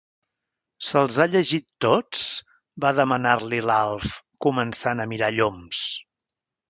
Se'ls ha llegit tots? —va demanar-li l'Alf, començant a mirar lloms.